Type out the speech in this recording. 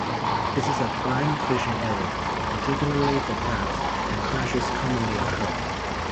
This is a prime fishing area, particularly for crabs, and clashes commonly occur.